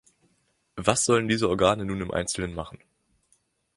Was sollen diese Organe nun im Einzelnen machen?